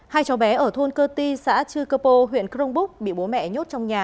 hai cháu bé ở thôn cơ ti xã chư cơ pô huyện crongbúc bị bố mẹ nhốt trong nhà